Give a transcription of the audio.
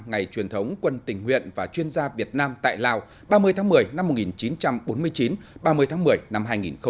ngày truyền thống quân tình nguyện và chuyên gia việt nam tại lào ba mươi tháng một mươi năm một nghìn chín trăm bốn mươi chín ba mươi tháng một mươi năm hai nghìn một mươi chín